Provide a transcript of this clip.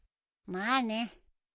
まあね。